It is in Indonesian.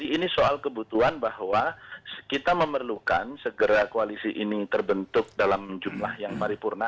ini soal kebutuhan bahwa kita memerlukan segera koalisi ini terbentuk dalam jumlah yang paripurna